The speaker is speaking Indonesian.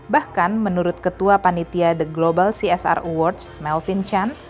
bahkan menurut ketua panitia the global csr awards melvin chan